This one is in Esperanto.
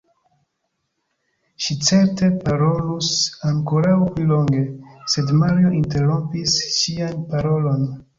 Ŝi certe parolus ankoraŭ pli longe, sed Mario interrompis ŝian parolon.